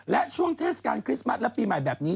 และช่วงเทศกาลคริสต์มัสและปีใหม่แบบนี้